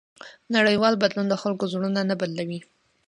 نړیوال بدلون د خلکو زړونه نه بدلوي.